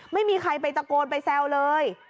ไม่มีใครไปตะโกนไปแซวเลย